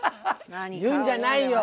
言うんじゃないよ。